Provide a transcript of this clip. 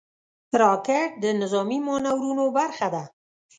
راکټ د نظامي مانورونو برخه ده